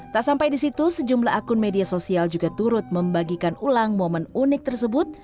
tak sampai di situ sejumlah akun media sosial juga turut membagikan ulang momen unik tersebut